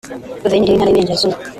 Guverineri w’Intara y’u Burengerazuba